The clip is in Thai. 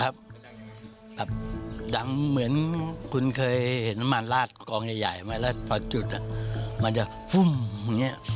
ดังเหมือนคุณเคยเห็นน้ำมันลาดกองใหญ่ไหมแล้วพอจุดมันจะพุ่มอย่างนี้